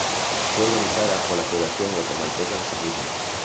Fue organizada por la Federación Guatemalteca de Ciclismo.